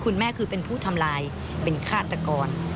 คุณแม่คือเป็นผู้ทำลายเป็นฆาตกร